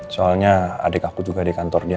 soalnya adik aku juga di kantor dia